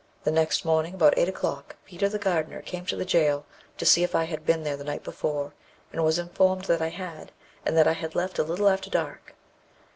The next morning, about eight o'clock, Peter the gardener came to the jail to see if I had been there the night before, and was informed that I had, and that I had left a little after dark.